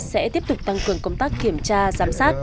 sẽ tiếp tục tăng cường công tác kiểm tra giám sát